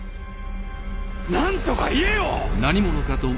なんとか言えよ！